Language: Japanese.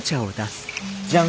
じゃん！